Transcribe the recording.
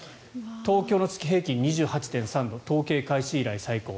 東京の月平均、２８．３度統計開始以来最高。